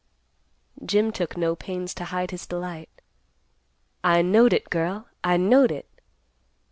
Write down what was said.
Jim took no pains to hide his delight. "I knowed it, girl. I knowed it.